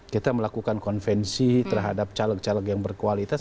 kita melakukan konvensi terhadap caleg caleg yang berkualitas